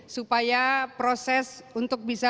supaya proses untuk bisa